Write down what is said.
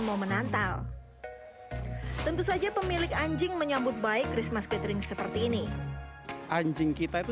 momen natal tentu saja pemilik anjing menyambut by christmas gathering seperti ini anjing kita itu